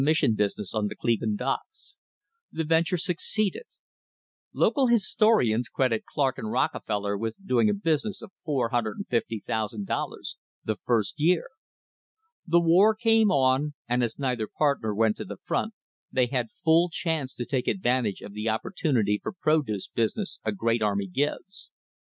mission business on the Cleveland docks. The venture suc ceeded. Local historians credit Clark and Rockefeller with doing a business of $450,000 the first year. The war came on, and as neither partner went to the front, they had full chance to take advantage of the opportunity for produce business a great army gives.